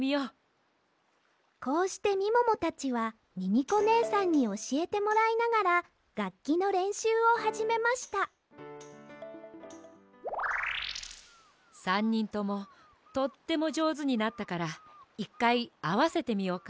こうしてみももたちはミミコねえさんにおしえてもらいながらがっきのれんしゅうをはじめました３にんともとってもじょうずになったから１かいあわせてみようか。